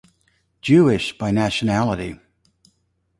Jewish by nationality.